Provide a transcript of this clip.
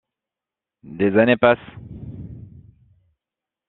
Des années passent.